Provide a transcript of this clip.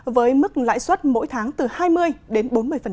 với mức lãi suất mỗi tháng từ hai mươi đến bốn mươi